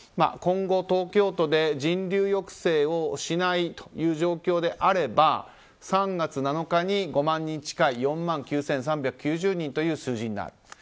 今後、東京都で人流抑制をしない状況であれば３月７日に５万人近い４万９３９０人という数字になる。